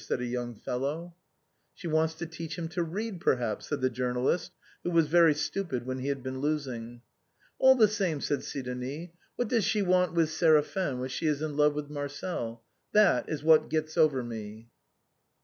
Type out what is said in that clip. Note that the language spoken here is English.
said a young fellow. musette's fancies. 271 " She wants to teach him to read, perhaps," said the Journalist, who was very stupid when he had been losing. " All the same," said Sidonic, " what does she want with Séraphin when she is in love with Marcel? That is what gets over me."